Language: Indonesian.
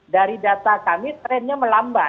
dari data kami trendnya melambat